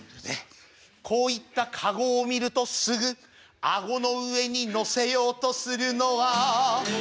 こういった籠を見るとすぐ顎の上に載せようとするのはえっ！？